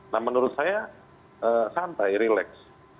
nah menurut saya santai relax